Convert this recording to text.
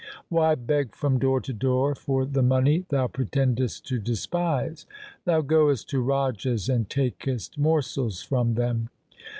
Why beg from door to door for the money thou pretendest to despise ? Thou goest to rajas and takest morsels from them.